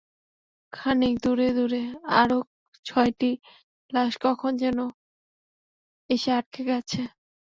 খানিক দূরে দূরে আরও ছয়টি লাশ কখন যেন এসে আটকে আছে।